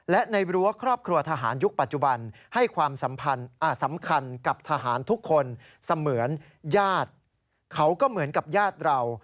และในรั้วครอบครัวทหารยุคปัจจุบันให้ความสำคัญกับทหารทุกคนเสมือนญาติเขาก็เหมือนกับญาติเรา